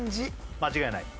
間違いない？